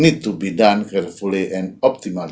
perlu dilakukan dengan berhati hati dan optimal